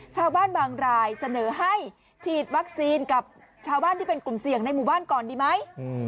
ชาวบ้านบางรายเสนอให้ฉีดวัคซีนกับชาวบ้านที่เป็นกลุ่มเสี่ยงในหมู่บ้านก่อนดีไหม